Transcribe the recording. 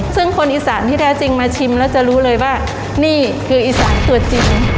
ซึ่งคนอีสานที่แท้จริงมาชิมแล้วจะรู้เลยว่านี่คืออีสานตัวจริง